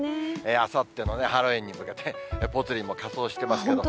あさってのハロウィーンに向けて、ぽつリンも仮装してますけども。